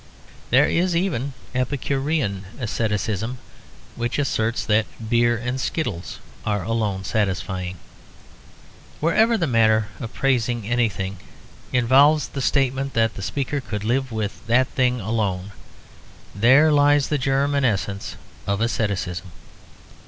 There is even epicurean asceticism, which asserts that beer and skittles are alone satisfying. Wherever the manner of praising anything involves the statement that the speaker could live with that thing alone, there lies the germ and essence of asceticism.